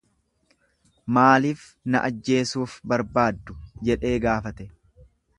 Maaliif na ajjeesuuf barbaaddu? jedhee gaafate.